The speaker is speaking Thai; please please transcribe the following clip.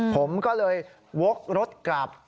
ผมก็เลยวกรถกลับ